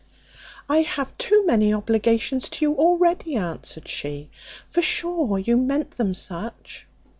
"I have too many obligations to you already," answered she, "for sure you meant them such."